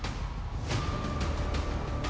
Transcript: jadi dana bos pun boleh dipakai